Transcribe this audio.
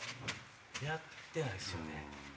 やってないですよね？